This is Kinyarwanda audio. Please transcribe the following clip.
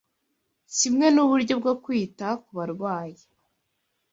kimwe n’uburyo bwo kwita ku barwayi